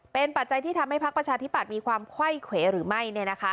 เป็นปัจจัยที่ทำให้พักประชาธิปัตย์มีความไขว้เขวหรือไม่